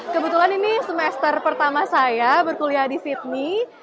kebetulan ini semester pertama saya berkuliah di sydney